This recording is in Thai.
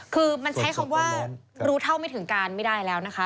คือมันใช้คำว่ารู้เท่าไม่ถึงการไม่ได้แล้วนะคะ